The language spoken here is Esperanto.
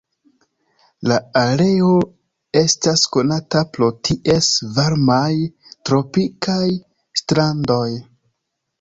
La areo estas konata pro ties varmaj tropikaj strandoj.